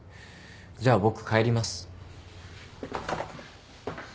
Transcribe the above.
じゃあ僕帰ります。